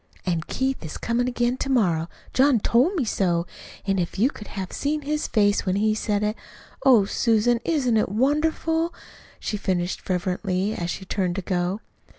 "An' Keith is comin' again to morrow. John TOLD me so. An' if you could have seen his face when he said it! Oh, Susan, isn't it wonderful?" she finished fervently, as she turned to go.